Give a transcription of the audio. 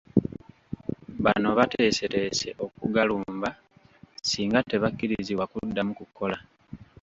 Bano bateeseteese okugalumba singa tebakkirizibwa kuddamu kukola.